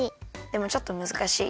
でもちょっとむずかしい？